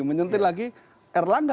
mencintil lagi erlangga